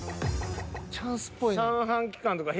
チャンスっぽいな。